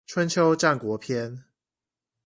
春秋戰國篇